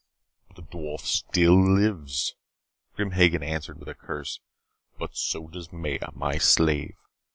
"The dwarf still lives," Grim Hagen answered with a curse. "But so does Maya, my slave.